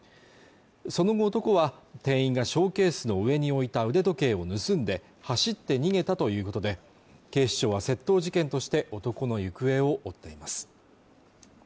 その後男は店員がショーケースの上に置いた腕時計を盗んで走って逃げたということで警視庁は窃盗事件として男の行方を追っています